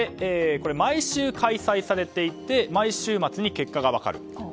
毎週開催されていて毎週末に結果が分かる。